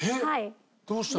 どうしたの？